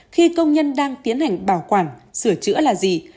khi công nhân đang tiến hành bảo quản sửa chữa là gì